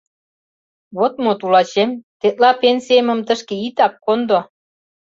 Вот мо, тулачем, тетла пенсиемым тышке итак кондо.